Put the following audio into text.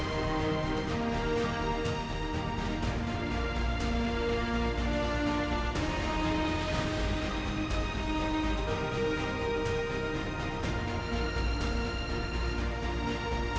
bahagia akan datang untuk kita semua disini